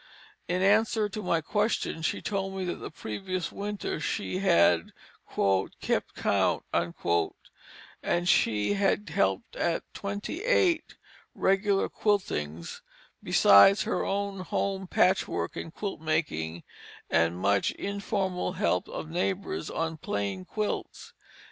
In answer to my questions she told me that the previous winter she had "kept count," and she had helped at twenty eight "regular" quiltings, besides her own home patchwork and quilt making, and much informal help of neighbors on plain quilts.